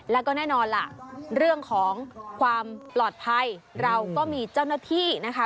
แล้วก็แน่นอนล่ะเรื่องของความปลอดภัยเราก็มีเจ้าหน้าที่นะคะ